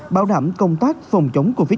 bảo đảm công tác phòng chống covid một mươi